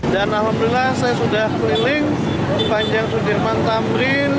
dan alhamdulillah saya sudah keliling di panjang sudirman tamrin